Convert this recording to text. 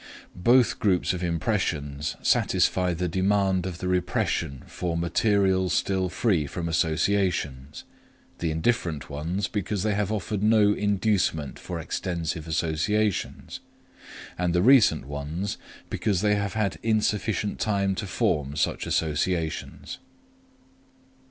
Both groups of impressions satisfy the demand of the repression for material still free from associations, the indifferent ones because they have offered no inducement for extensive associations, and the recent ones because they have had insufficient time to form such associations.